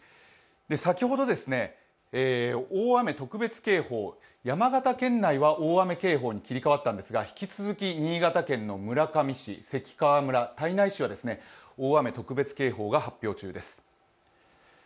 先ほど大雨特別警報、山形県内は大雨警報に切り替わったんですが引き続き新潟県の村上市、関川村、胎内市は大雨特別警報が発令中です。